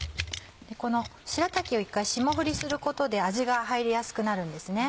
このしらたきを１回霜降りすることで味が入りやすくなるんですね。